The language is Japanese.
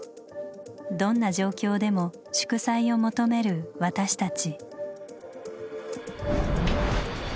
どんな状況でも「祝祭」を求める私たち。